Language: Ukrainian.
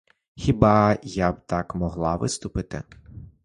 Хіба б я так могла виступати?